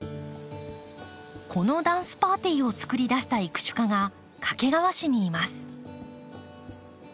このダンスパーティーをつくり出した育種家が掛川市にいます。